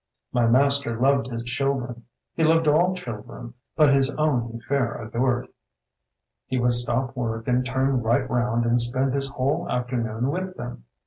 My master loved his children. He loved all children, but his own he fair adored; he would stop work and turn right round and spend his whole afternoon with them.